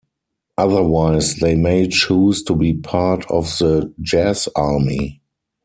Otherwise, they may choose to be part of the Jazz Army.